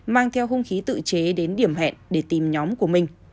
mang theo hung khí tự chế đến điểm hẹn để tìm nhóm của mình